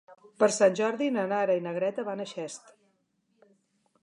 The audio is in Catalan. Per Sant Jordi na Nara i na Greta van a Xest.